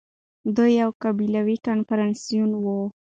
دوی يو قبيلوي کنفدراسيون وو